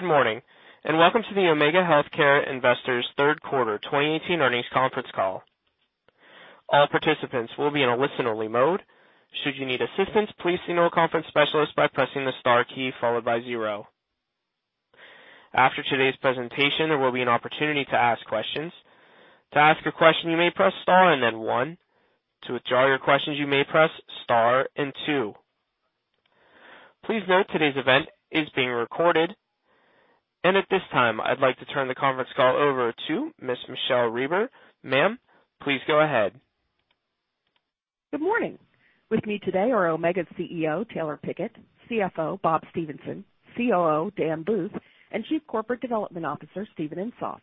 Good morning, and welcome to the Omega Healthcare Investors third quarter 2018 earnings conference call. All participants will be in a listen-only mode. Should you need assistance, please signal a conference specialist by pressing the star key followed by zero. After today's presentation, there will be an opportunity to ask questions. To ask a question, you may press star and then one. To withdraw your questions, you may press star and two. Please note today's event is being recorded. At this time, I'd like to turn the conference call over to Ms. Michele Reber. Ma'am, please go ahead. Good morning. With me today are Omega's CEO, Taylor Pickett, CFO, Bob Stephenson, COO, Dan Booth, and Chief Corporate Development Officer, Steven Insoft.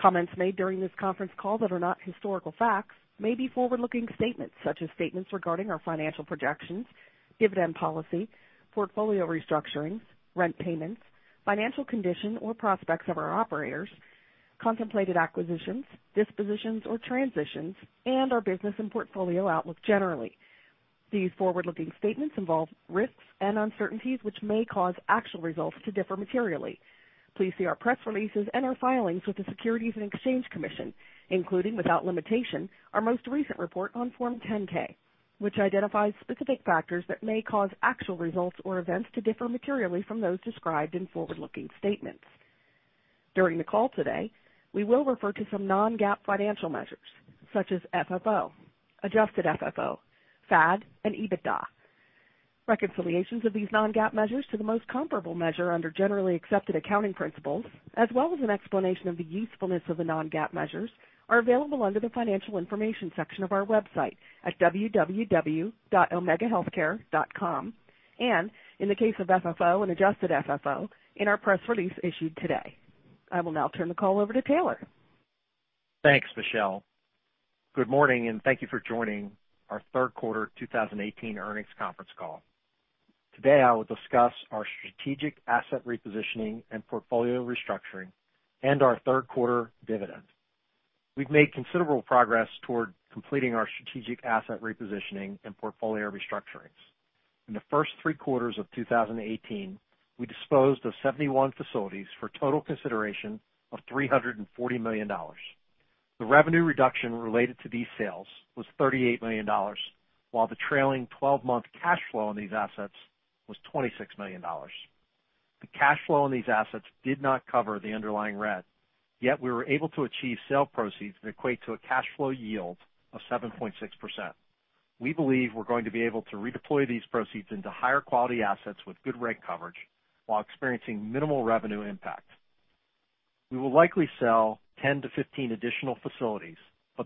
Comments made during this conference call that are not historical facts may be forward-looking statements, such as statements regarding our financial projections, dividend policy, portfolio restructurings, rent payments, financial condition or prospects of our operators, contemplated acquisitions, dispositions or transitions, and our business and portfolio outlook generally. These forward-looking statements involve risks and uncertainties which may cause actual results to differ materially. Please see our press releases and our filings with the Securities and Exchange Commission, including, without limitation, our most recent report on Form 10-K, which identifies specific factors that may cause actual results or events to differ materially from those described in forward-looking statements. During the call today, we will refer to some non-GAAP financial measures, such as FFO, Adjusted FFO, FAD, and EBITDA. Reconciliations of these non-GAAP measures to the most comparable measure under generally accepted accounting principles, as well as an explanation of the usefulness of the non-GAAP measures, are available under the Financial Information section of our website at www.omegahealthcare.com, and in the case of FFO and Adjusted FFO, in our press release issued today. I will now turn the call over to Taylor. Thanks, Michele. Good morning, and thank you for joining our third quarter 2018 earnings conference call. Today, I will discuss our strategic asset repositioning and portfolio restructuring and our third quarter dividend. We've made considerable progress toward completing our strategic asset repositioning and portfolio restructurings. In the first three quarters of 2018, we disposed of 71 facilities for a total consideration of $340 million. The revenue reduction related to these sales was $38 million, while the trailing 12-month cash flow on these assets was $26 million. The cash flow on these assets did not cover the underlying rent, yet we were able to achieve sale proceeds that equate to a cash flow yield of 7.6%. We believe we're going to be able to redeploy these proceeds into higher-quality assets with good rent coverage while experiencing minimal revenue impact. We will likely sell 10 to 15 additional facilities,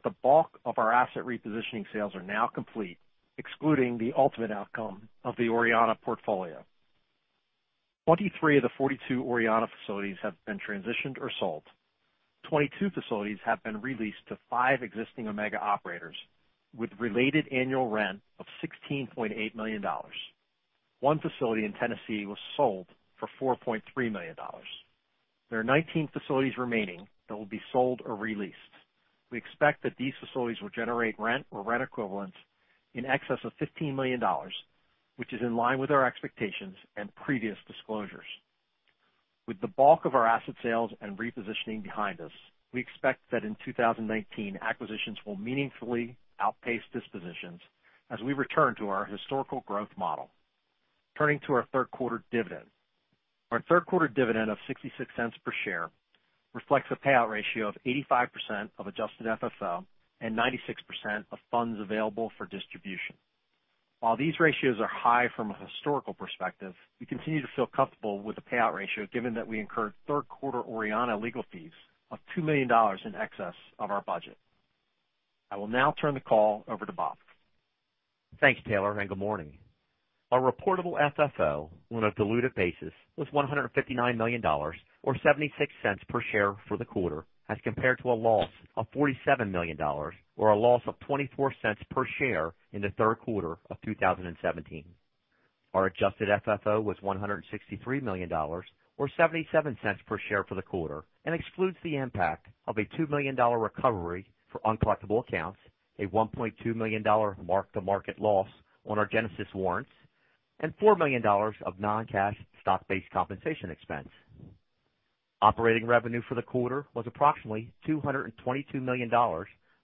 the bulk of our asset repositioning sales are now complete, excluding the ultimate outcome of the Orianna portfolio. 23 of the 42 Orianna facilities have been transitioned or sold. 22 facilities have been re-leased to five existing Omega operators with related annual rent of $16.8 million. One facility in Tennessee was sold for $4.3 million. There are 19 facilities remaining that will be sold or re-leased. We expect that these facilities will generate rent or rent equivalents in excess of $15 million, which is in line with our expectations and previous disclosures. With the bulk of our asset sales and repositioning behind us, we expect that in 2019, acquisitions will meaningfully outpace dispositions as we return to our historical growth model. Turning to our third quarter dividend. Our third quarter dividend of $0.66 per share reflects a payout ratio of 85% of Adjusted FFO and 96% of funds available for distribution. While these ratios are high from a historical perspective, we continue to feel comfortable with the payout ratio given that we incurred third quarter Orianna legal fees of $2 million in excess of our budget. I will now turn the call over to Bob. Thanks, Taylor, good morning. Our reportable FFO on a diluted basis was $159 million, or $0.76 per share for the quarter, as compared to a loss of $47 million, or a loss of $0.24 per share in the third quarter of 2017. Our Adjusted FFO was $163 million, or $0.77 per share for the quarter and excludes the impact of a $2 million recovery for uncollectible accounts, a $1.2 million mark-to-market loss on our Genesis warrants, and $4 million of non-cash stock-based compensation expense. Operating revenue for the quarter was approximately $222 million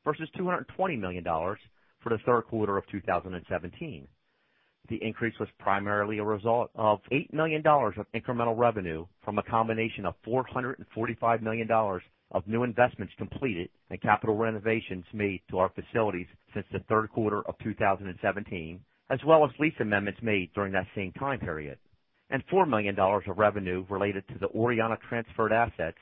versus $220 million for the third quarter of 2017. The increase was primarily a result of $8 million of incremental revenue from a combination of $445 million of new investments completed and capital renovations made to our facilities since the third quarter of 2017, as well as lease amendments made during that same time period, and $4 million of revenue related to the Orianna transferred assets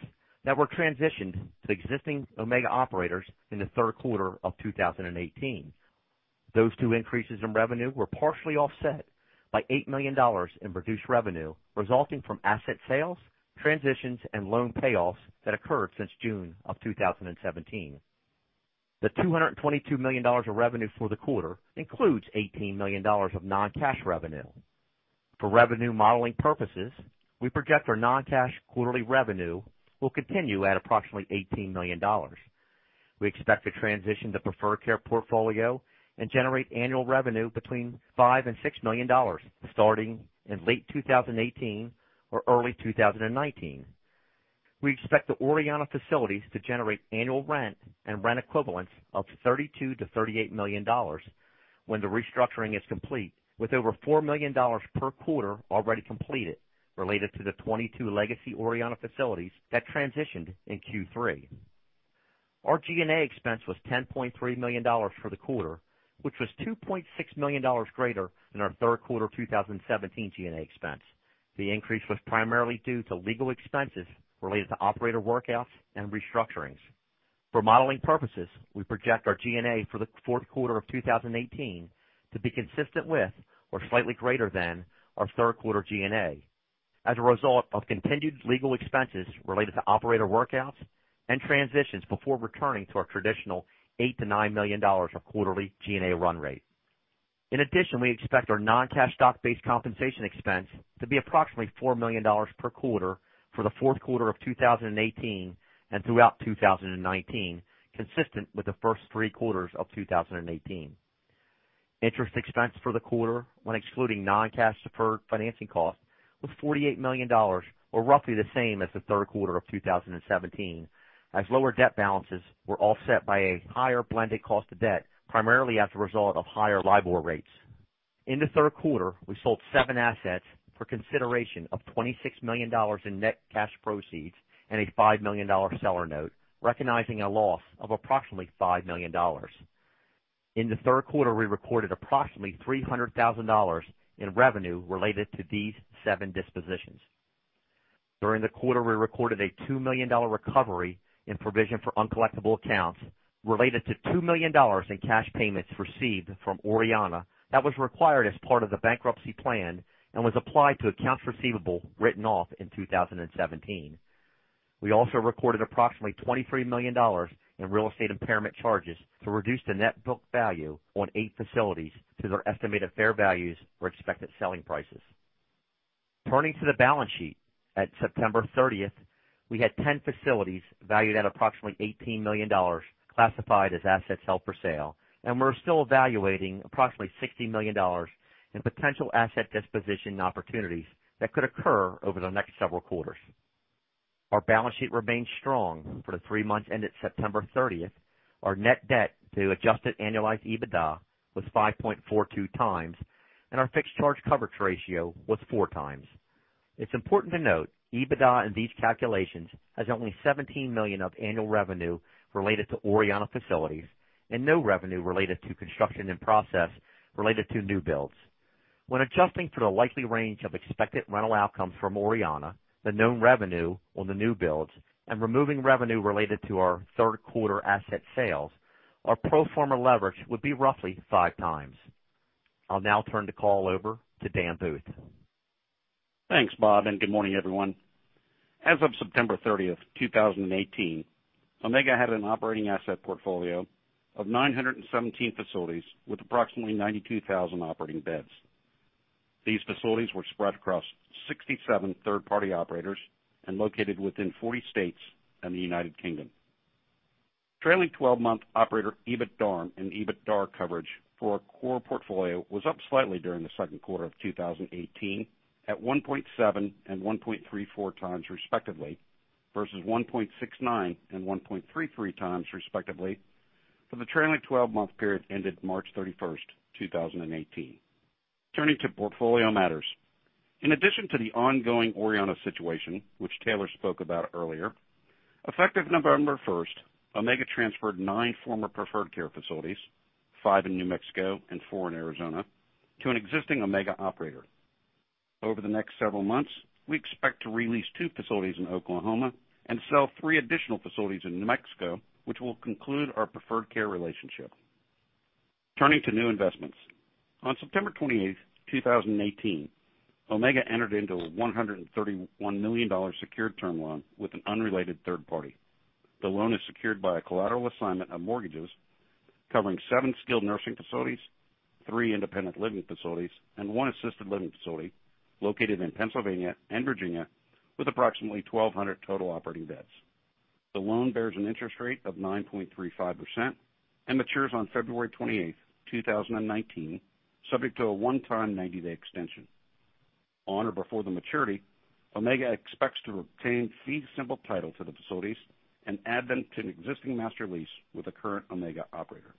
that were transitioned to existing Omega operators in the third quarter of 2018. Those two increases in revenue were partially offset by $8 million in reduced revenue resulting from asset sales, transitions, and loan payoffs that occurred since June of 2017. The $222 million of revenue for the quarter includes $18 million of non-cash revenue. For revenue modeling purposes, we project our non-cash quarterly revenue will continue at approximately $18 million. We expect to transition the Preferred Care portfolio and generate annual revenue between $5 million and $6 million, starting in late 2018 or early 2019. We expect the Orianna facilities to generate annual rent and rent equivalents of $32 million to $38 million when the restructuring is complete, with over $4 million per quarter already completed related to the 22 legacy Orianna facilities that transitioned in Q3. Our G&A expense was $10.3 million for the quarter, which was $2.6 million greater than our third quarter 2017 G&A expense. The increase was primarily due to legal expenses related to operator workouts and restructurings. In addition, we expect our G&A for the fourth quarter of 2018 to be consistent with, or slightly greater than, our third quarter G&A as a result of continued legal expenses related to operator workouts and transitions before returning to our traditional $8 million to $9 million of quarterly G&A run rate. We expect our non-cash stock-based compensation expense to be approximately $4 million per quarter for the fourth quarter of 2018 and throughout 2019, consistent with the first three quarters of 2018. Interest expense for the quarter, when excluding non-cash deferred financing costs, was $48 million, or roughly the same as the third quarter of 2017, as lower debt balances were offset by a higher blended cost of debt, primarily as a result of higher LIBOR rates. In the third quarter, we sold seven assets for consideration of $26 million in net cash proceeds and a $5 million seller note, recognizing a loss of approximately $5 million. In the third quarter, we recorded approximately $300,000 in revenue related to these seven dispositions. During the quarter, we recorded a $2 million recovery in provision for uncollectible accounts related to $2 million in cash payments received from Orianna that was required as part of the bankruptcy plan and was applied to accounts receivable written off in 2017. We also recorded approximately $23 million in real estate impairment charges to reduce the net book value on eight facilities to their estimated fair values or expected selling prices. Turning to the balance sheet, at September 30th, we had 10 facilities valued at approximately $18 million classified as assets held for sale, and we're still evaluating approximately $60 million in potential asset disposition opportunities that could occur over the next several quarters. Our balance sheet remains strong. For the three months ended September 30th, our net debt to adjusted annualized EBITDA was 5.42 times, and our fixed charge coverage ratio was four times. It's important to note, EBITDA in these calculations has only $17 million of annual revenue related to Orianna facilities and no revenue related to construction in process related to new builds. When adjusting for the likely range of expected rental outcomes from Orianna, the known revenue on the new builds, and removing revenue related to our third quarter asset sales, our pro forma leverage would be roughly five times. I'll now turn the call over to Dan Booth. Thanks, Bob, and good morning, everyone. As of September 30th, 2018, Omega had an operating asset portfolio of 917 facilities with approximately 92,000 operating beds. These facilities were spread across 67 third-party operators and located within 40 states and the United Kingdom. Trailing 12-month operator EBITDARM and EBITDA coverage for our core portfolio was up slightly during the second quarter of 2018 at 1.7 and 1.34 times respectively, versus 1.69 and 1.33 times respectively for the trailing 12-month period ended March 31st, 2018. Turning to portfolio matters. In addition to the ongoing Orianna situation, which Taylor spoke about earlier, effective November 1st, Omega transferred nine former Preferred Care facilities, five in New Mexico and four in Arizona, to an existing Omega operator. Over the next several months, we expect to re-lease two facilities in Oklahoma and sell three additional facilities in New Mexico, which will conclude our Preferred Care relationship. Turning to new investments. On September 28th, 2018, Omega entered into a $131 million secured term loan with an unrelated third party. The loan is secured by a collateral assignment of mortgages covering seven skilled nursing facilities, three independent living facilities, and one assisted living facility located in Pennsylvania and Virginia with approximately 1,200 total operating beds. The loan bears an interest rate of 9.35% and matures on February 28th, 2019, subject to a one-time 90-day extension. On or before the maturity, Omega expects to obtain fee simple title to the facilities and add them to an existing master lease with a current Omega operator.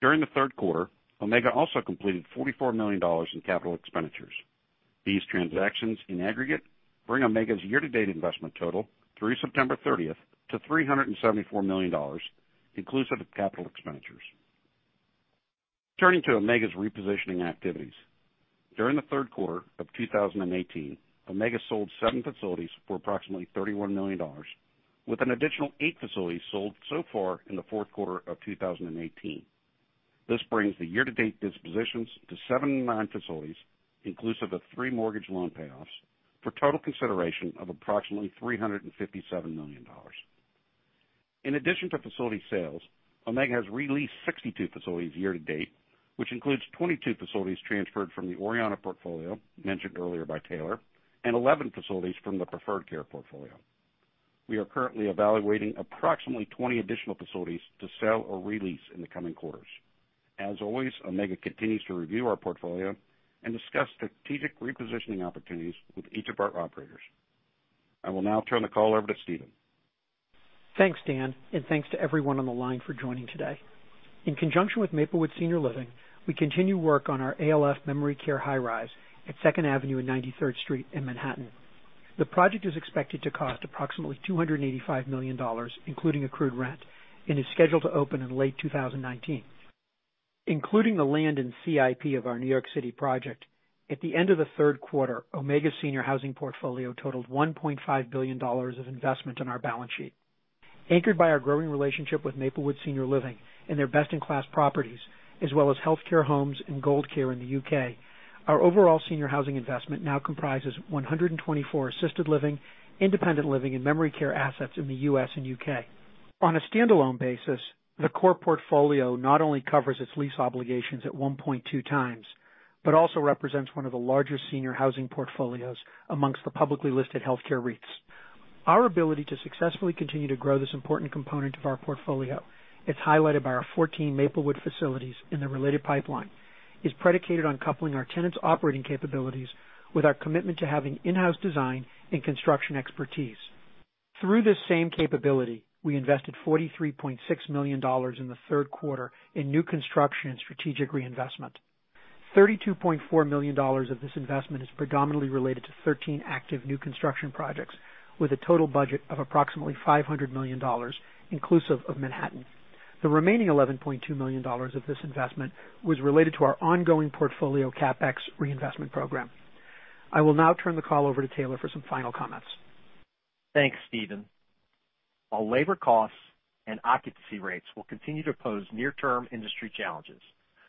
During the third quarter, Omega also completed $44 million in capital expenditures. These transactions, in aggregate, bring Omega's year-to-date investment total through September 30th to $374 million, inclusive of capital expenditures. Turning to Omega's repositioning activities. During the third quarter of 2018, Omega sold seven facilities for approximately $31 million, with an additional eight facilities sold so far in the fourth quarter of 2018. This brings the year-to-date dispositions to 79 facilities, inclusive of three mortgage loan payoffs, for total consideration of approximately $357 million. In addition to facility sales, Omega has re-leased 62 facilities year to date, which includes 22 facilities transferred from the Orianna portfolio mentioned earlier by Taylor, and 11 facilities from the Preferred Care portfolio. We are currently evaluating approximately 20 additional facilities to sell or re-lease in the coming quarters. As always, Omega continues to review our portfolio and discuss strategic repositioning opportunities with each of our operators. I will now turn the call over to Steven. Thanks, Dan, and thanks to everyone on the line for joining today. In conjunction with Maplewood Senior Living, we continue work on our ALF memory care high rise at 2nd Avenue and 93rd Street in Manhattan. The project is expected to cost approximately $285 million, including accrued rent, and is scheduled to open in late 2019. Including the land and CIP of our New York City project, at the end of the third quarter, Omega's senior housing portfolio totaled $1.5 billion of investment on our balance sheet. Anchored by our growing relationship with Maplewood Senior Living and their best-in-class properties, as well as Healthcare Homes and Gold Care Homes in the U.K., our overall senior housing investment now comprises 124 assisted living, independent living, and memory care assets in the U.S. and U.K. On a standalone basis, the core portfolio not only covers its lease obligations at 1.2 times, but also represents one of the larger senior housing portfolios amongst the publicly listed healthcare REITs. Our ability to successfully continue to grow this important component of our portfolio is highlighted by our 14 Maplewood facilities, and the related pipeline is predicated on coupling our tenants' operating capabilities with our commitment to having in-house design and construction expertise. Through this same capability, we invested $43.6 million in the third quarter in new construction and strategic reinvestment. $32.4 million of this investment is predominantly related to 13 active new construction projects, with a total budget of approximately $500 million, inclusive of Manhattan. The remaining $11.2 million of this investment was related to our ongoing portfolio CapEx reinvestment program. I will now turn the call over to Taylor for some final comments. Thanks, Steven. While labor costs and occupancy rates will continue to pose near-term industry challenges,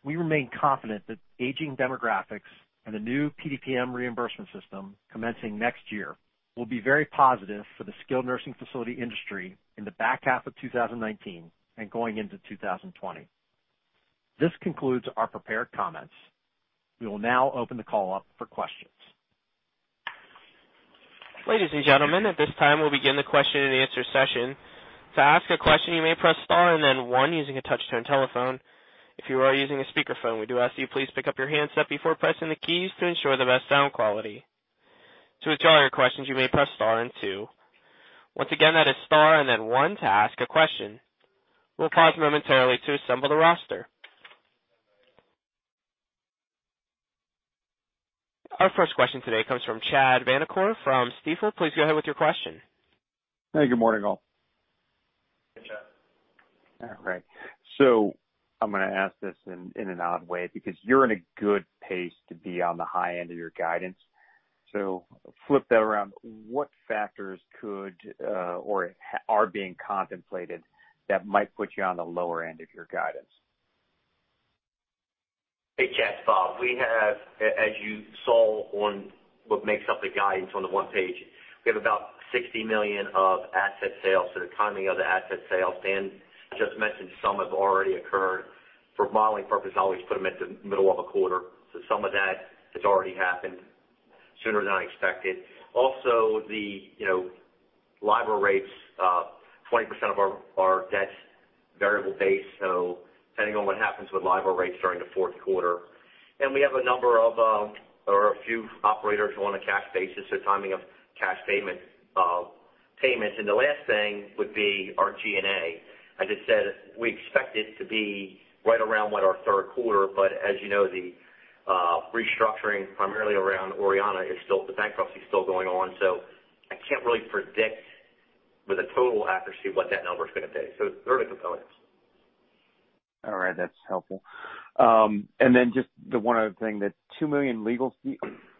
we remain confident that aging demographics and the new PDPM reimbursement system commencing next year will be very positive for the skilled nursing facility industry in the back half of 2019 and going into 2020. This concludes our prepared comments. We will now open the call up for questions. Ladies and gentlemen, at this time, we will begin the question and answer session. To ask a question, you may press star and then one using a touch-tone telephone. If you are using a speakerphone, we do ask you please pick up your handset before pressing the keys to ensure the best sound quality. To withdraw your questions, you may press star and two. Once again, that is star and then one to ask a question. We will pause momentarily to assemble the roster. Our first question today comes from Chad Vanacore from Stifel. Please go ahead with your question. Hey, good morning, all. Hey, Chad. All right. I'm going to ask this in an odd way, because you're in a good pace to be on the high end of your guidance. Flip that around. What factors could, or are being contemplated that might put you on the lower end of your guidance? Hey, Chad. We have, as you saw on what makes up the guidance on the one page, we have about $60 million of asset sales. The timing of the asset sales, Dan just mentioned some have already occurred. For modeling purposes, I always put them at the middle of a quarter. Some of that has already happened sooner than I expected. Also, the LIBOR rates, 20% of our debt's variable base, so depending on what happens with LIBOR rates during the fourth quarter. We have a number of, or a few operators who are on a cash basis, so timing of cash payments. The last thing would be our G&A. As I said, we expect it to be right around what our third quarter. As you know, the restructuring primarily around Orianna, the bankruptcy is still going on, I can't really predict with a total accuracy what that number's going to be. There are the components. All right, that's helpful. Just the one other thing, that $2 million legal fee?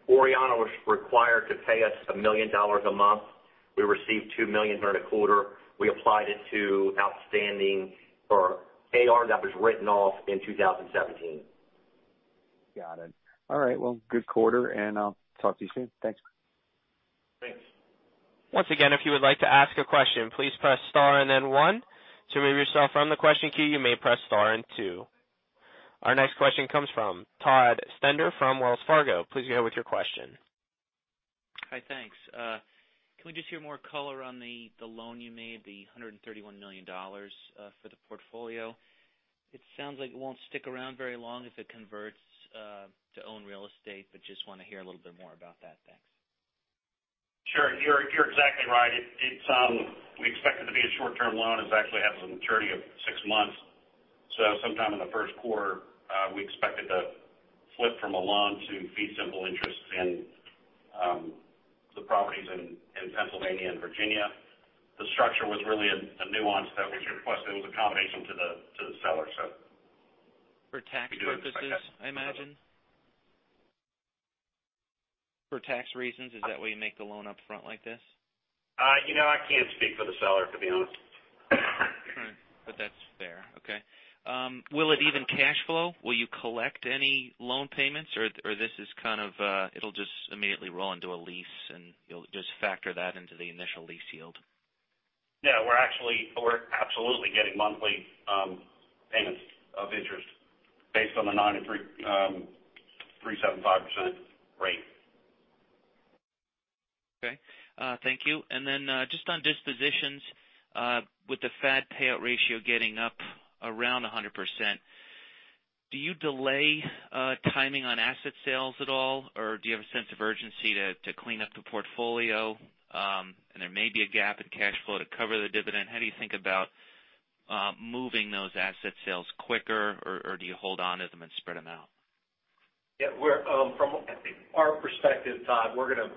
Orianna was required to pay us $1 million a month. We received $2 million during the quarter. We applied it to outstanding AR that was written off in 2017. Got it. All right, well, good quarter, I'll talk to you soon. Thanks. Thanks. Once again, if you would like to ask a question, please press star and then one. To remove yourself from the question queue, you may press star and two. Our next question comes from Todd Stender from Wells Fargo. Please go ahead with your question. Hi, thanks. Can we just hear more color on the loan you made, the $131 million for the portfolio? It sounds like it won't stick around very long if it converts to own real estate, but just want to hear a little bit more about that. Thanks. Sure. You're exactly right. We expect it to be a short-term loan. It actually has a maturity of six months. Sometime in the first quarter, we expect it to flip from a loan to fee simple interest in the properties in Pennsylvania and Virginia. The structure was really a nuance that was requested. It was accommodation to the seller. For tax purposes, I imagine? For tax reasons, is that why you make the loan up front like this? I can't speak for the seller, to be honest. All right. That's fair. Okay. Will it even cash flow? Will you collect any loan payments, or this is kind of it'll just immediately roll into a lease, and you'll just factor that into the initial lease yield? No, we're absolutely getting monthly payments of interest based on the 93.375% rate. Okay. Thank you. Then just on dispositions, with the FAD payout ratio getting up around 100%, do you delay timing on asset sales at all, or do you have a sense of urgency to clean up the portfolio? There may be a gap in cash flow to cover the dividend. How do you think about moving those asset sales quicker, or do you hold onto them and spread them out? Yeah. From our perspective, Todd Stender,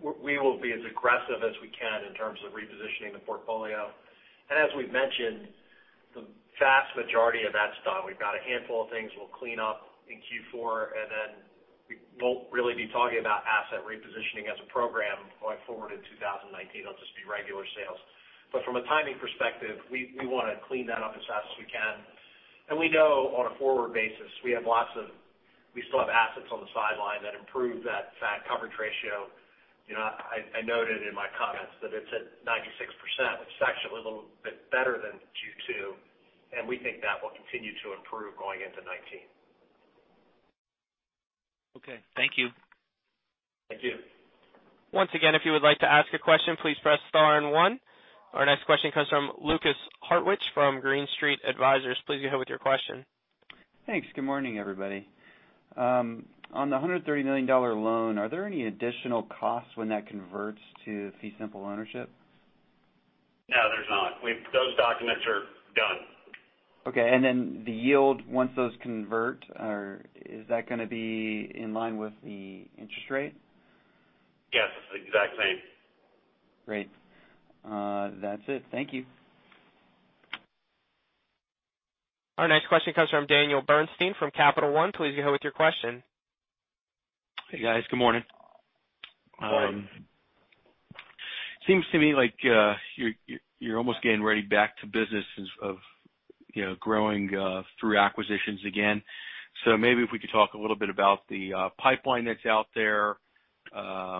we will be as aggressive as we can in terms of repositioning the portfolio. As we've mentioned, the vast majority of that's done. We've got a handful of things we'll clean up in Q4, then we won't really be talking about asset repositioning as a program going forward in 2019. It'll just be regular sales. From a timing perspective, we want to clean that up as fast as we can. We know, on a forward basis, we still have assets on the sideline that improve that FAD coverage ratio. I noted in my comments that it's at 96%, it's actually a little bit better than Q2, and we think that will continue to improve going into 2019. Okay. Thank you. Thank you. Once again, if you would like to ask a question, please press star and one. Our next question comes from Lukas Hartwich from Green Street Advisors. Please go ahead with your question. Thanks. Good morning, everybody. On the $130 million loan, are there any additional costs when that converts to fee simple ownership? No, there's not. Those documents are done. Okay. The yield, once those convert, is that gonna be in line with the interest rate? Yes, the exact same. Great. That's it. Thank you. Our next question comes from Daniel Bernstein from Capital One. Please go ahead with your question. Hey, guys. Good morning. Good morning. Seems to me like you're almost getting ready back to business of growing through acquisitions again. Maybe if we could talk a little bit about the pipeline that's out there. Are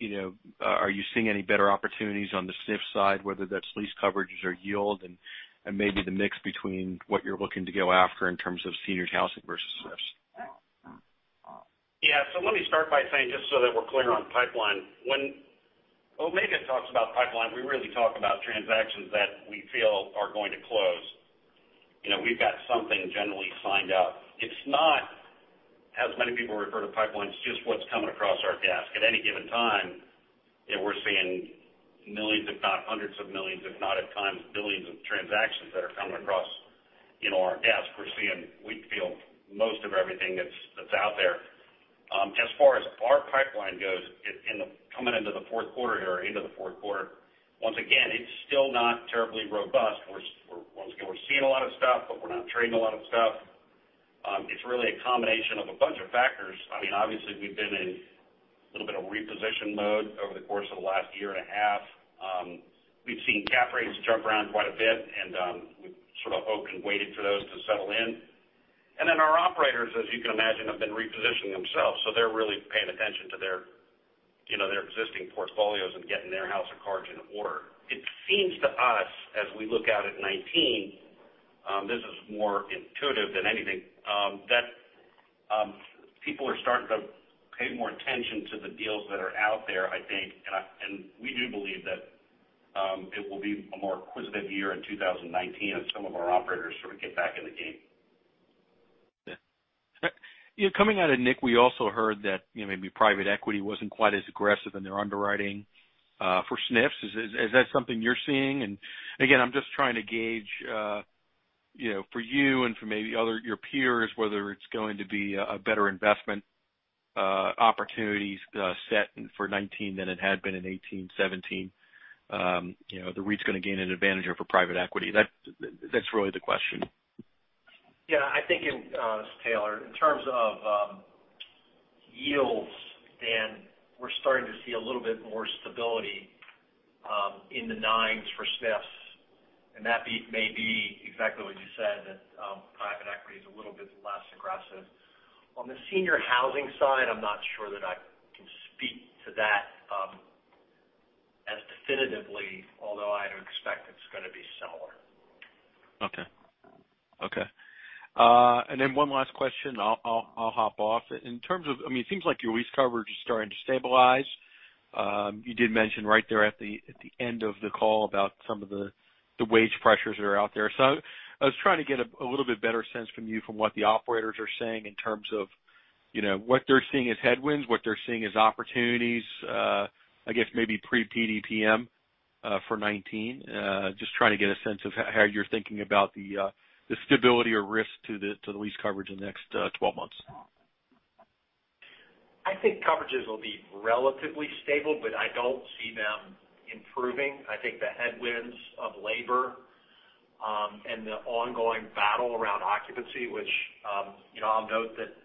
you seeing any better opportunities on the SNF side, whether that's lease coverages or yield, and maybe the mix between what you're looking to go after in terms of senior housing versus SNFs? Yeah. Let me start by saying, just so that we're clear on pipeline. When Omega talks about pipeline, we really talk about transactions that we feel are going to close. We've got something generally signed up. It's not, as many people refer to pipelines, just what's coming across our desk. At any given time, we're seeing millions, if not hundreds of millions, if not, at times, billions of transactions that are coming across our desk. We feel most of everything that's out there. As far as our pipeline goes, coming into the fourth quarter here, or into the fourth quarter, once again, it's still not terribly robust. Once again, we're seeing a lot of stuff, but we're not trading a lot of stuff. It's really a combination of a bunch of factors. Obviously, we've been in a little bit of reposition mode over the course of the last year and a half. We've seen cap rates jump around quite a bit, and we've sort of hoped and waited for those to settle in. Then our operators, as you can imagine, have been repositioning themselves, they're really paying attention to their existing portfolios and getting their house of cards in order. It seems to us, as we look out at 2019, this is more intuitive than anything, that people are starting to pay more attention to the deals that are out there, I think. We do believe that it will be a more acquisitive year in 2019 as some of our operators sort of get back in the game. Yeah. Coming out of NIC, we also heard that maybe private equity wasn't quite as aggressive in their underwriting for SNFs. Is that something you're seeing? Again, I'm just trying to gauge, for you and for maybe your peers, whether it's going to be a better investment opportunities set for 2019 than it had been in 2018, 2017. The REIT's gonna gain an advantage over private equity. That's really the question. Yeah. I think, Taylor, in terms of yields, we're starting to see a little bit more stability in the nines for SNFs, and that may be exactly what you said, that private equity is a little bit less aggressive. On the senior housing side, I'm not sure that I can speak to that as definitively, although I'd expect it's gonna be similar. Okay. One last question, I'll hop off. It seems like your lease coverage is starting to stabilize. You did mention right there at the end of the call about some of the wage pressures that are out there. I was trying to get a little bit better sense from you from what the operators are saying in terms of what they're seeing as headwinds, what they're seeing as opportunities, I guess maybe pre-PDPM for 2019. Just trying to get a sense of how you're thinking about the stability or risk to the lease coverage in the next 12 months. I think coverages will be relatively stable, I don't see them improving. I think the headwinds of labor and the ongoing battle around occupancy, which I'll note that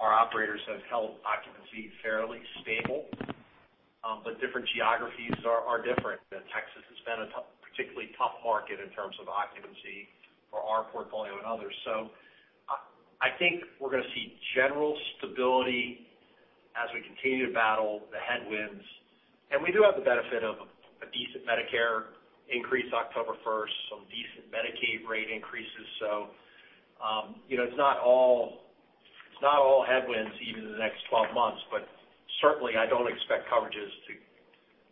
our operators have held occupancy fairly stable. Different geographies are different. Texas has been a particularly tough market in terms of occupancy for our portfolio and others. I think we're gonna see general stability As we continue to battle the headwinds. We do have the benefit of a decent Medicare increase October 1st, some decent Medicaid rate increases. It's not all headwinds even in the next 12 months. Certainly I don't expect coverages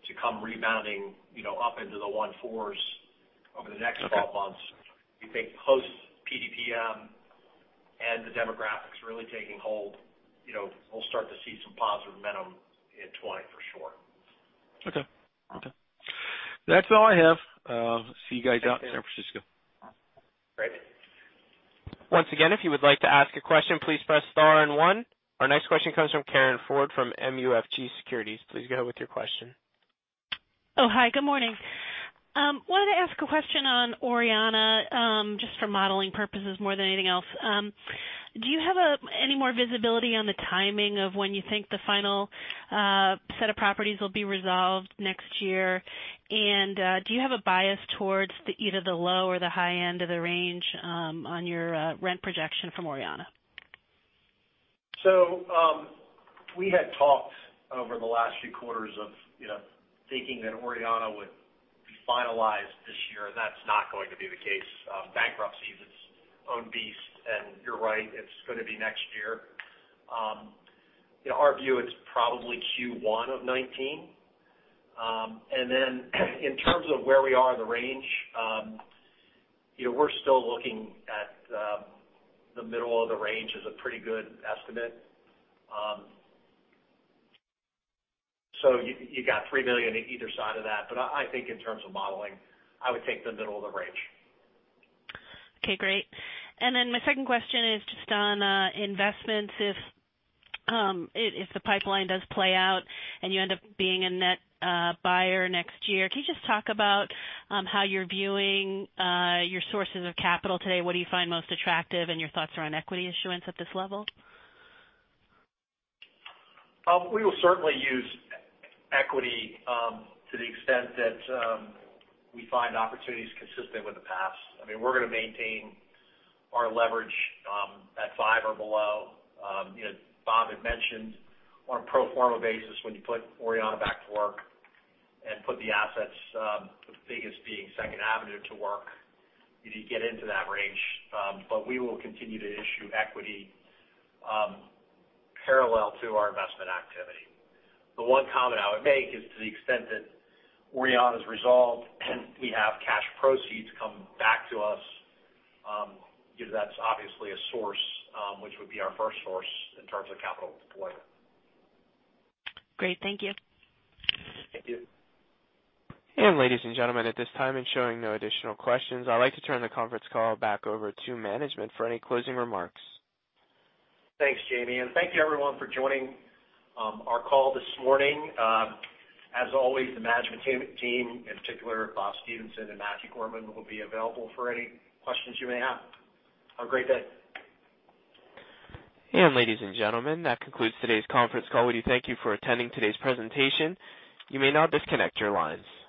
to come rebounding up into the one fours over the next 12 months. We think post PDPM and the demographics really taking hold, we'll start to see some positive momentum in 2020 for sure. Okay. That's all I have. See you guys out in San Francisco. Great. Once again, if you would like to ask a question, please press star and one. Our next question comes from Karin Ford from MUFG Securities. Please go ahead with your question. Oh, hi, good morning. Wanted to ask a question on Orianna, just for modeling purposes more than anything else. Do you have any more visibility on the timing of when you think the final set of properties will be resolved next year? Do you have a bias towards either the low or the high end of the range on your rent projection from Orianna? We had talked over the last few quarters of thinking that Orianna would be finalized this year, and that's not going to be the case. Bankruptcy's its own beast, and you're right, it's going to be next year. Our view, it's probably Q1 of 2019. In terms of where we are in the range, we're still looking at the middle of the range as a pretty good estimate. You got $3 million either side of that, but I think in terms of modeling, I would take the middle of the range. Okay, great. My second question is just on investments. If the pipeline does play out and you end up being a net buyer next year, can you just talk about how you're viewing your sources of capital today? What do you find most attractive and your thoughts around equity issuance at this level? We will certainly use equity, to the extent that we find opportunities consistent with the past. I mean, we're going to maintain our leverage at 5 or below. Bob had mentioned on a pro forma basis, when you put Orianna back to work and put the assets, with the biggest being Second Avenue, to work, you get into that range. We will continue to issue equity parallel to our investment activity. The one comment I would make is to the extent that Orianna's resolved and we have cash proceeds come back to us, that's obviously a source, which would be our first source in terms of capital deployment. Great. Thank you. Thank you. Ladies and gentlemen, at this time, in showing no additional questions, I'd like to turn the conference call back over to management for any closing remarks. Thanks, Jamie, and thank you, everyone, for joining our call this morning. As always, the management team, in particular Bob Stevenson and Matthew Gorman, will be available for any questions you may have. Have a great day. Ladies and gentlemen, that concludes today's conference call. We thank you for attending today's presentation. You may now disconnect your lines.